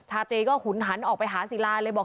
ชาตรีก็หุนหันออกไปหาซีลาเลยบอก